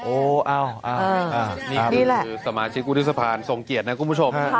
โอ้อ้าวนี่คือสมาชิกกุฎิสภารสงเกียจนะคุณผู้ชม